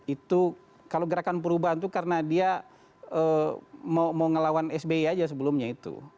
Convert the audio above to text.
itu kalau gerakan perubahan itu karena dia mau ngelawan sbi aja sebelumnya itu